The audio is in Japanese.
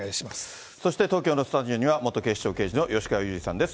そして東京のスタジオには、元警視庁刑事の吉川祐二さんです。